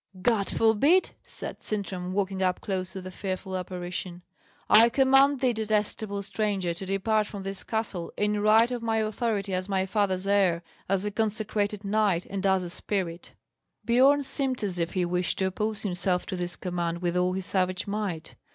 "God forbid!" said Sintram, walking up close to the fearful apparition: "I command thee, detestable stranger, to depart from this castle, in right of my authority as my father's heir, as a consecrated knight and as a spirit!" Biorn seemed as if he wished to oppose himself to this command with all his savage might.